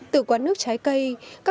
từ quán nước trái cây đến quán trái cây